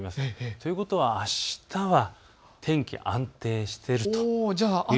ということはあしたは天気安定していると。